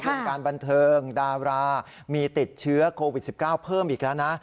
วงการบันเทิงดารามีติดเชื้อโควิด๑๙เพิ่มอีกแล้วนะ